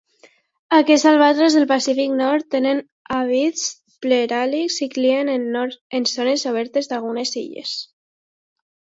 Aquests albatros del Pacífic Nord, tenen hàbits pelàgics, i crien en zones obertes d'algunes illes.